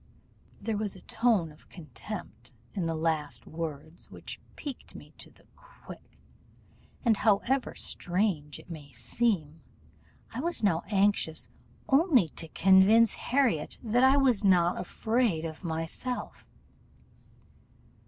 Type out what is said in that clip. There was a tone of contempt in the last words which piqued me to the quick; and however strange it may seem, I was now anxious only to convince Harriot that I was not afraid of myself.